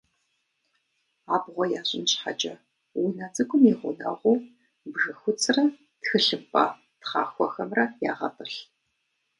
Абгъуэ ящӏын щхьэкӏэ унэ цӏыкӏум и гъунэгъуу бжьэхуцрэ тхылъымпӏэ тхъахуэхэмрэ ягъэтӏылъ.